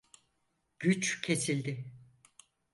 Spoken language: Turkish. Güç kesildi.